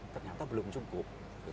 ternyata belum cukup